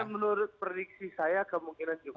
menurut prediksi saya kemungkinan juga